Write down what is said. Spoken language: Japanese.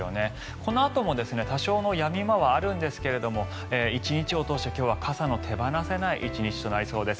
このあとも多少のやみ間はあるんですけども１日を通して今日は傘の手放せない１日となりそうです。